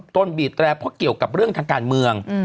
ตบีบแร่เพราะเกี่ยวกับเรื่องทางการเมือง